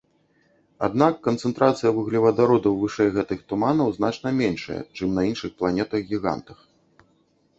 Аднак канцэнтрацыя вуглевадародаў вышэй гэтых туманаў значна меншая, чым на іншых планетах-гігантах.